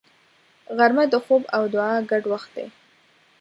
غرمه د خوب او دعا ګډ وخت دی